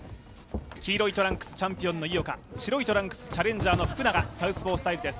黄色いトロンクス、チャンピオンの井岡、白いトランクス、チャレンジャーの福永、サウスポースタイルです。